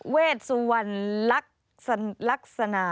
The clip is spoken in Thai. เวชสุวรรณลักษณะ